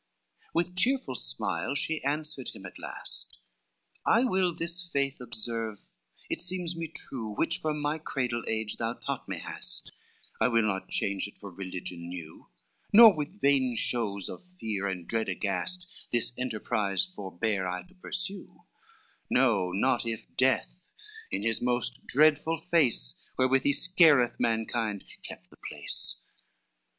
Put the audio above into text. XLI With cheerful smile she answered him at last, "I will this faith observe, it seems me true, Which from my cradle age thou taught me hast; I will not change it for religion new, Nor with vain shows of fear and dread aghast This enterprise forbear I to pursue, No, not if death in his most dreadful face Wherewith he scareth mankind, kept the place."